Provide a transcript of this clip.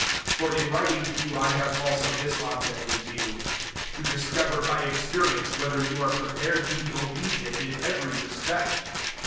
002:009 For in writing to you I have also this object in view to discover by experience whether you are prepared to be obedient in every respect.